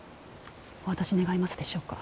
お渡し願えますでしょうか。